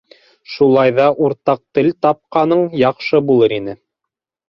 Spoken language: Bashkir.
Шулай ҙа... уртаҡ тел тапҡаның яҡшы булыр ине.